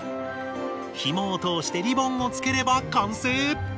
ひもを通してリボンを付ければ完成！